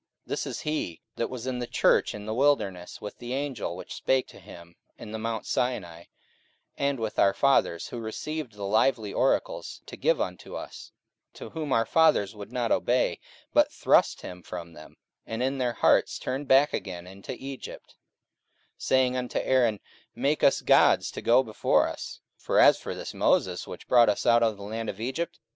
44:007:038 This is he, that was in the church in the wilderness with the angel which spake to him in the mount Sina, and with our fathers: who received the lively oracles to give unto us: 44:007:039 To whom our fathers would not obey, but thrust him from them, and in their hearts turned back again into Egypt, 44:007:040 Saying unto Aaron, Make us gods to go before us: for as for this Moses, which brought us out of the land of Egypt, we wot not what is become of him.